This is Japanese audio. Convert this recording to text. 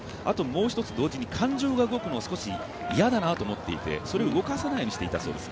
もう一つ同時に感情が動くのを、少し、嫌だなと思っていてそれを動かさないようにしていたようです。